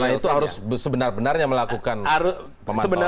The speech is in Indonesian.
karena itu harus sebenarnya melakukan pemantauan